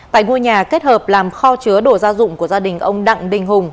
tại ngôi nhà kết hợp làm kho chứa đổ ra dụng của gia đình ông đặng đình hùng